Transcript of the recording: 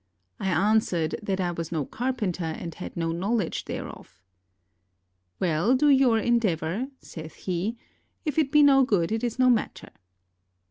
I answered that I was no carpenter and had no knowledge thereof. "Well, do your endeavor," saith he; "if it be not good, it is no matter."